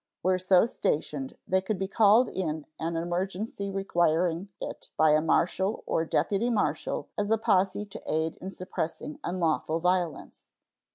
Where so stationed, they could be called in an emergency requiring it by a marshal or deputy marshal as a posse to aid in suppressing unlawful violence.